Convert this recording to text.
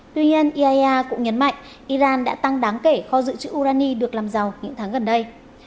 tuy nhiên iaea cũng nhấn mạnh iran đã tăng đáng kể kho dự trữ urani được làm giàu những tháng gần đây